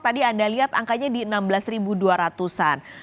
tadi anda lihat angkanya di enam belas dua ratus an